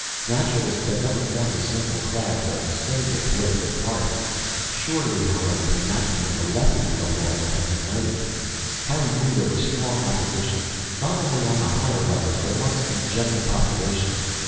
Naturalists had never formed a single class, a single political party. Surely, however, the enactment of the Leffingwell Law would have united them! Harry knew there was strong opposition, not only on the higher levels but amongst the general population.